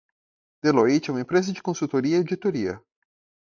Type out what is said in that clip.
Deloitte é uma empresa de consultoria e auditoria.